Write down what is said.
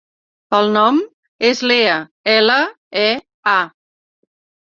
El nom és Lea: ela, e, a.